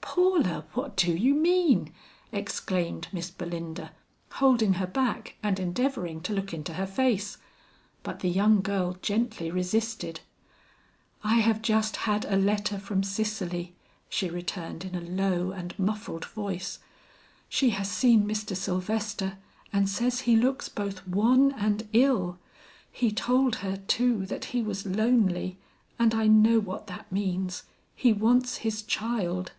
"Paula, what do you mean?" exclaimed Miss Belinda, holding her back and endeavoring to look into her face. But the young girl gently resisted. "I have just had a letter from Cicely," she returned in a low and muffled voice. "She has seen Mr. Sylvester, and says he looks both wan and ill. He told her, too, that he was lonely, and I know what that means; he wants his child.